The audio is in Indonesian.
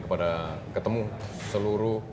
kepada ketemu seluruh